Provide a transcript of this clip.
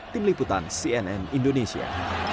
tim liputan cnn indonesia